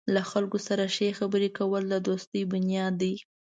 له خلکو سره ښې خبرې کول د دوستۍ بنیاد دی.